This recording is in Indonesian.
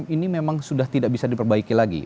ini memang sudah tidak bisa diperbaiki lagi